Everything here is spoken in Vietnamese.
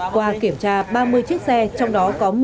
qua kiểm tra ba mươi chiếc xe trong đó có